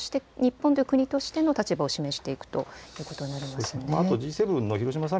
Ｇ７議長国として、そして日本という国としての立場を示していくということになりますね。